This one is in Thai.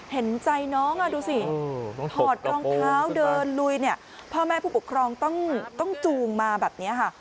เห็นใจน้องดูสิถอดรองเท้าเดินลุยเนี่ยพ่อแม่ผู้ปกครองต้องจูงมาแบบนี้ค่ะ